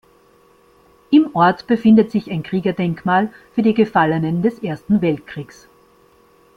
Im Ort befindet sich ein Kriegerdenkmal für die Gefallenen des Ersten Weltkriegs.